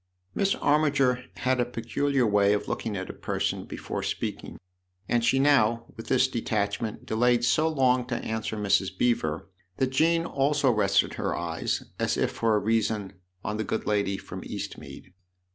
Miss Armiger had a peculiar way of looking at a person before speaking, and she now, with this detachment, delayed so long to answer Mrs. Beever that Jean also rested her eyes, as if for a reason, on the good lady from Eastmead.